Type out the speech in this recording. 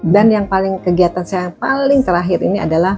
dan yang paling kegiatan saya yang paling terakhir ini adalah